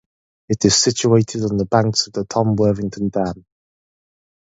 It is situated on the banks of the Tom Worthington Dam.